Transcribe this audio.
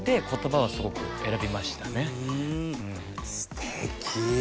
すてき！